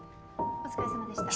お疲れさまでした。